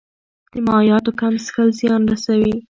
د مایعاتو کم څښل زیان رسوي.